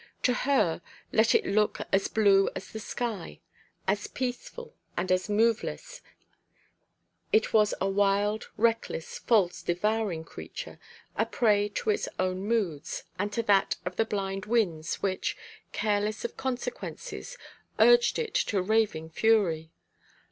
To her, let it look as blue as the sky, as peaceful and as moveless, it was a wild, reckless, false, devouring creature, a prey to its own moods, and to that of the blind winds which, careless of consequences, urged it to raving fury.